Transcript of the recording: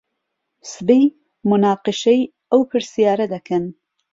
سبەی موناقەشەی ئەو پرسیارە دەکەن.